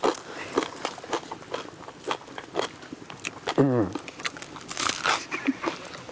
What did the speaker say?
うん。